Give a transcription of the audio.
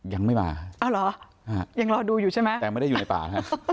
ยังไม่มาแต่ไม่ได้อยู่ในป่า